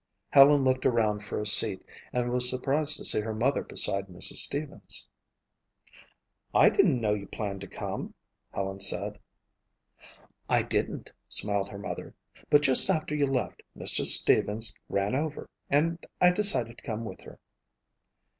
Helen looked around for a seat and was surprised to see her mother beside Mrs. Stevens. "I didn't know you planned to come," Helen said. "I didn't," smiled her mother, "but just after you left Mrs. Stevens ran over and I decided to come with her."